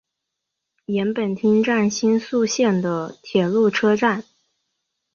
岩本町站新宿线的铁路车站。